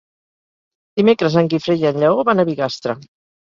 Dimecres en Guifré i en Lleó van a Bigastre.